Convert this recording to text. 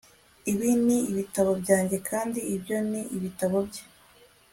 Ibi ni ibitabo byanjye kandi ibyo ni ibitabo bye